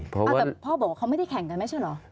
แต่พ่อบอกว่าเขาไม่ได้แข่งกันไม่ใช่เหรอ